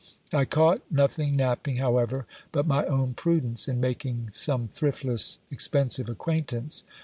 I caught nothing napping, however, but my own prudence, in making some thriftless, expensive acquaintance.